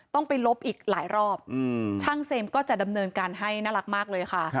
ต้องไปลบอีกหลายรอบช่างเซมก็จะดำเนินการให้น่ารักมากเลยค่ะ